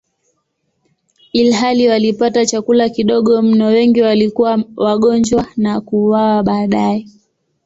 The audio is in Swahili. Ilhali walipata chakula kidogo mno, wengi walikuwa wagonjwa na kuuawa baadaye.